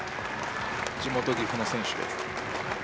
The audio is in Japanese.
地元岐阜の選手です